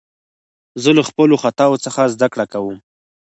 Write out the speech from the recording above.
زه له خپلو خطاوو څخه زدکړه کوم.